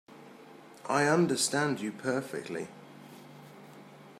I understand you perfectly.